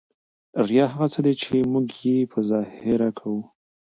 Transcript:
ریا هغه څه دي ، چي موږ ئې په ظاهره کوو.